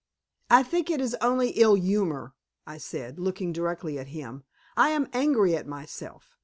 "I think it is only ill humor," I said, looking directly at him. "I am angry at myself.